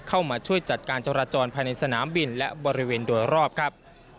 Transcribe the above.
เข้ามาช่วยจัดการจราจรภายในสนามบินและบริเวณโดยรอบครับ